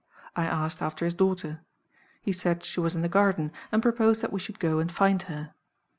I asked after his daughter. He said she was in the garden, and proposed that we should go and find her.